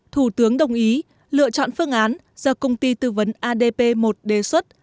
thủ tướng đồng ý lựa chọn phương án do công ty tư vấn adp một đề xuất